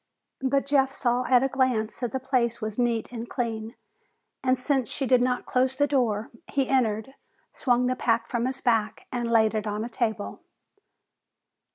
But Jeff saw at a glance that the place was neat and clean, and since she did not close the door, he entered, swung the pack from his back, and laid it on a table.